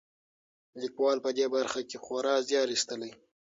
لیکوال په دې برخه کې خورا زیار ایستلی.